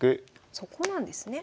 そこなんですね。